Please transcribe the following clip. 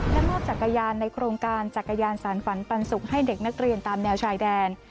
และมอบจักรยานในโครงการจักรยานสารฝันปันสุกให้เด็กนักเรียนตามแนวชายแดน